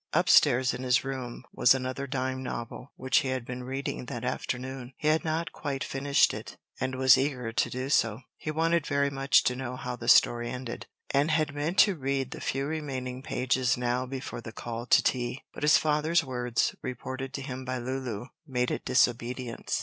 Up stairs in his room was another dime novel which he had been reading that afternoon; he had not quite finished it, and was eager to do so; he wanted very much to know how the story ended, and had meant to read the few remaining pages now before the call to tea. But his father's words, reported to him by Lulu, made it disobedience.